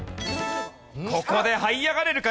ここではい上がれるか？